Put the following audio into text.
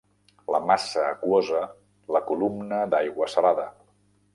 La massa aquosa, la columna d'aigua salada.